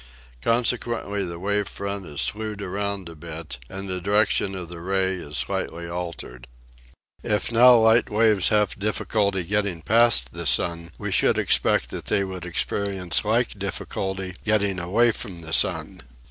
Consequently the wave front is slued around a bit and the direction of the ray is slightly altered. If now light waves have difficulty getting past the sun we should expect that they would experience like difficulty getting away from the sun.